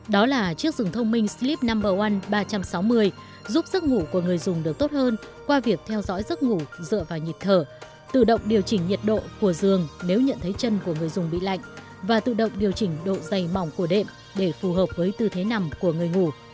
đó là chiếc giường thông minh slip năm g oune ba trăm sáu mươi giúp giấc ngủ của người dùng được tốt hơn qua việc theo dõi giấc ngủ dựa vào nhịp thở tự động điều chỉnh nhiệt độ của giường nếu nhận thấy chân của người dùng bị lạnh và tự động điều chỉnh độ dày mỏng của đệm để phù hợp với tư thế nằm của người ngủ